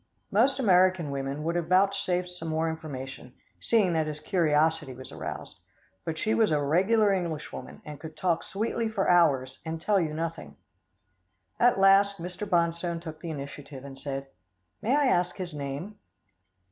Most American women would have vouchsafed some more information, seeing that his curiosity was aroused, but she was a regular Englishwoman, and could talk sweetly for hours, and tell you nothing. At last, Mr. Bonstone took the initiative, and said, "May I ask his name?"